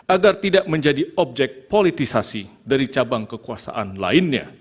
agar tidak menjadi objek politisasi dari cabang kekuasaan lainnya